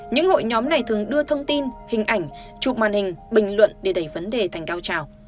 những hội nhóm này thường đưa thông tin hình ảnh chụp màn hình bình luận để đẩy vấn đề thành cao trào